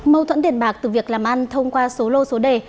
mâu thuẫn tiền bạc từ việc làm ăn thông qua số lô số đề